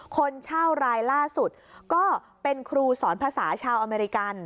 คนเช่ารายล่าสุดก็เป็นครูสอนภาษาชาวอเมริกัน